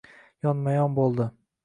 Yonma-yon bo‘ldi.